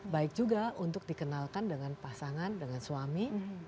baik juga untuk dikenalkan dengan pasangan dengan suami